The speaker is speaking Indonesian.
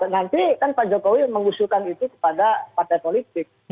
nanti kan pak jokowi mengusulkan itu kepada partai politik